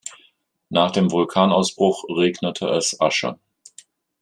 Nach dem Vulkanausbruch regnete es Asche.